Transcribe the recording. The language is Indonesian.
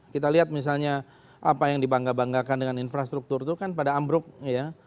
kita lihat misalnya apa yang dibangga banggakan dengan infrastruktur itu kan pada ambruk ya